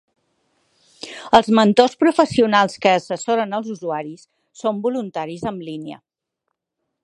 Els mentors professionals que assessoren els usuaris són voluntaris en línia.